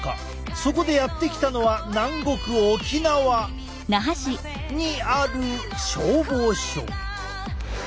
そこでやって来たのは南国沖縄！にある消防署。